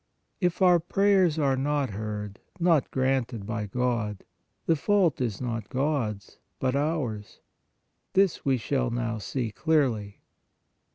If our prayers are not heard, not granted by God, the fault is not God s, but ours. This we shall now see clearly.